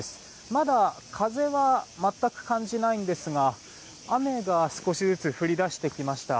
まだ風は全く感じないんですが雨が少しずつ降り出してきました。